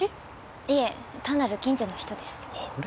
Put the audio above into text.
いえ単なる近所の人ですあれ？